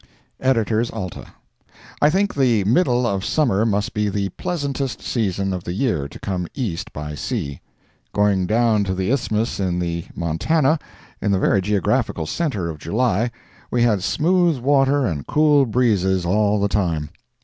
EDITORS ALTA: I think the middle of summer must be the pleasantest season of the year to come East by sea. Going down to the Isthmus in the Montana, in the very geographical centre of July, we had smooth water and cool breezes all the time.